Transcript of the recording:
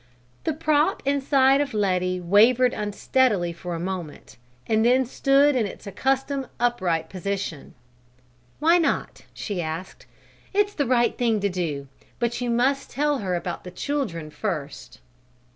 The prop inside of Letty wavered unsteadily for a moment and then stood in its accustomed upright position. "Why not?" she asked. "It's the right thing to do; but you must tell her about the children first."